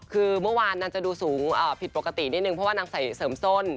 คือเมื่อวานนางจะดูสูงผิดปกตินิดนึงเพราะว่านางใส่เสริมส้น